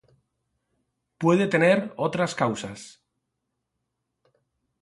Puede tener otras causas.